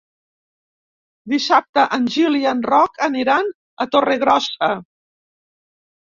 Dissabte en Gil i en Roc aniran a Torregrossa.